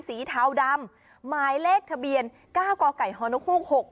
สีเทาดำหมายเลขทะเบียนเก้าก็ไก่ฮอนโอคูกหก